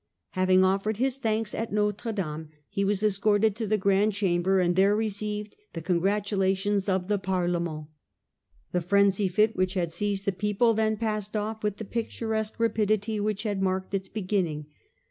Having offered his 1648. The Cardinal de Retz. 3 7 thanks at Notre Dame, he was escorted to the Grand Chamber and there received the congratulations of the Parlement. The frenzy fit which had seized the people then passed off with the picturesque rapidity which had marked its beginning.